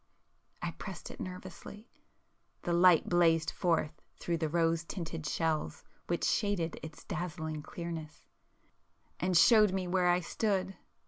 I pressed it nervously,—the light blazed forth through the rose tinted shells which shaded its dazzling clearness, and showed me where I stood